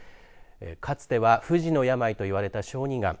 かつては不治の病と言われた小児がん。